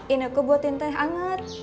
ineke buatin teh anget